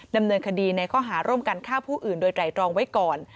ดำเนินคดีในข้อหาร่วมกันฆ่าผู้อื่นโดยไตรรองไว้ก่อน